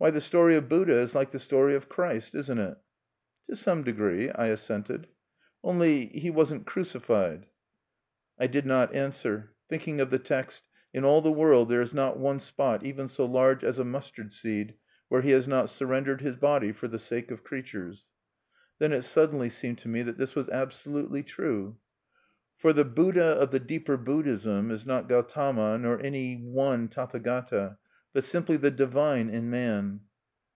"Why, the story of Buddha is like the story of Christ, isn't it?" "To some degree," I assented. "Only, he wasn't crucified." I did not answer; thinking of the text, _In all the world there is not one spot even so large as a mustard seed where he has not surrendered his body for the sake of creatures_. Then it suddenly seemed to me that this was absolutely true. For the Buddha of the deeper Buddhism is not Gautama, nor yet any one Tathagata, but simply the divine in man.